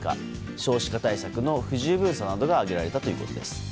少子化対策の不十分さなどが挙げられたということです。